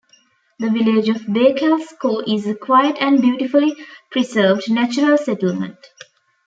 The village of Baykalsko is a quiet and beautifully preserved natural settlement.